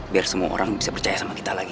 biar semua orang bisa percaya sama kita lagi